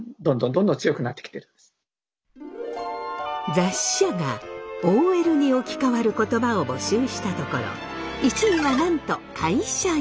雑誌社がＯＬに置き換わる言葉を募集したところ１位はなんと会社員。